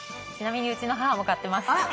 ちなみにうちの母も買ってます。